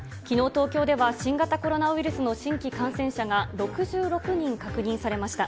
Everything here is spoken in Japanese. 東京では新型コロナウイルスの新規感染者が６６人確認されました。